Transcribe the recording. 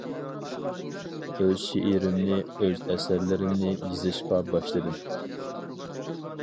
ئۆز شېئىرىمنى — ئۆز ئەسەرلىرىمنى يېزىشقا باشلىدىم.